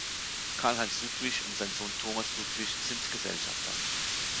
Karl-Heinz Ludwig und sein Sohn Thomas Ludwig sind Gesellschafter.